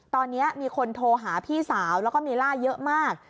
ตอนนี้มีคนโทรหาพี่สาวแล้วก็มีล่าเยอะมาก